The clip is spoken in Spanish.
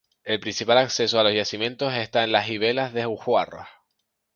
El principal acceso a los yacimientos está en Ibeas de Juarros.